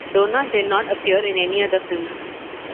Donna did not appear in any other films.